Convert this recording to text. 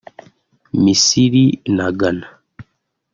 Misiri na Ghana